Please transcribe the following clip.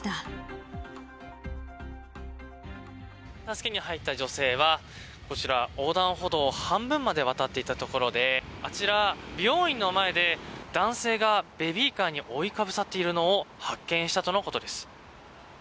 助けに入った女性はこちら、横断歩道を半分まで渡っていたところであちら、美容院の前で男性がベビーカーに覆いかぶさっているのを発見したとのことです。